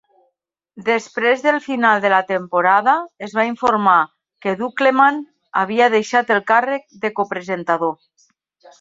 Després del final de la temporada, es va informar que Dunkleman havia deixat el càrrec de co-presentador.